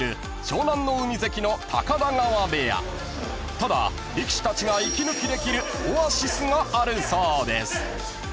［ただ力士たちが息抜きできるオアシスがあるそうです］